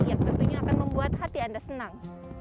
yang tentunya akan membuat hati anda senang